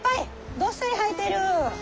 どっさり生えてる！